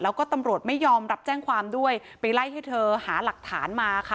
แล้วก็ตำรวจไม่ยอมรับแจ้งความด้วยไปไล่ให้เธอหาหลักฐานมาค่ะ